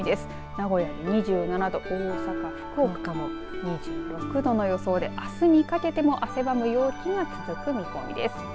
名古屋２７度、大阪、福岡も２６度の予想で、あすにかけても汗ばむ陽気が続く見込みです。